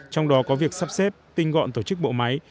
trong đó có việc sắp xếp tinh gọn tổ chức bộ máy